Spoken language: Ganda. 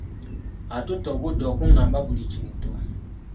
Atutte obudde okungamba buli kintu.